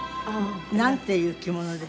なんていう着物ですか？